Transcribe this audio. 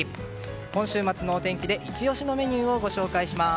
今週末の天気でイチ押しのメニューをご紹介します。